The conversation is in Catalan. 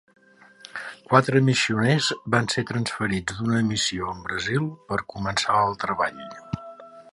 Quatre missioners van ser transferits d'una missió en Brasil per començar el treball.